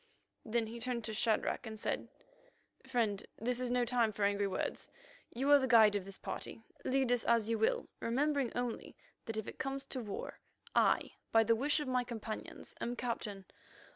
Then he turned to Shadrach and said: "Friend, this is no time for angry words. You are the guide of this party; lead us as you will, remembering only that if it comes to war, I, by the wish of my companions, am Captain.